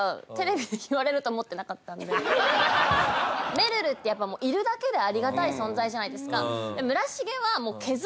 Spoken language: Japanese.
めるるってやっぱいるだけでありがたい存在じゃないですか。